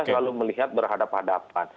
selalu melihat berhadapan hadapan